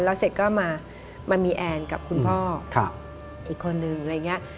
แล้วเสร็จก็มามีแอนกับคุณพ่ออีกคนนึง